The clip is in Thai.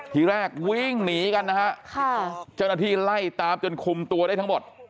ทีแรกวิ่งหนีกันนะฮะค่ะเจ้าหน้าที่ไล่ตามจนคุมตัวได้ทั้งหมด